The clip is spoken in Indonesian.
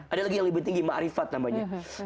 ada lagi yang lebih tinggi ma'rifat namanya